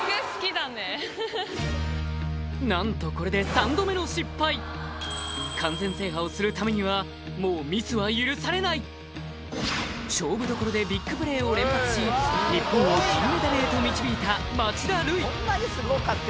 何とこれで完全制覇をするためにはもうミスは許されない勝負どころでビッグプレーを連発し日本を銀メダルへと導いた町田瑠唯